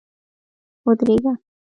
ودرېږه!